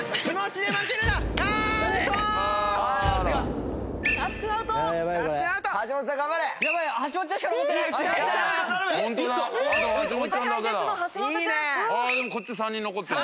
でもこっち３人残ってる。